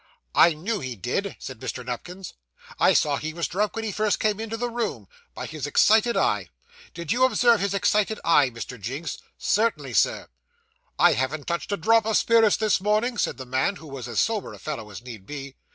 'I knew he did,' said Mr. Nupkins. 'I saw he was drunk when he first came into the room, by his excited eye. Did you observe his excited eye, Mr. Jinks?' 'Certainly, Sir.' 'I haven't touched a drop of spirits this morning,' said the man, who was as sober a fellow as need be.